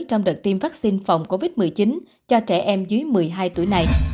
trong đợt tiêm vaccine phòng covid một mươi chín cho trẻ em dưới một mươi hai tuổi này